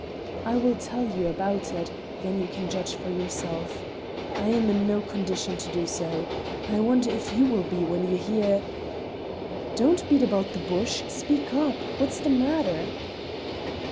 "I will tell you about it, then you can judge for yourself. I am in no condition to do so. I wonder if you will be when you hear " "Don't beat about the bush. Speak up! What's the matter?"